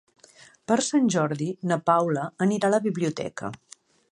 Per Sant Jordi na Paula anirà a la biblioteca.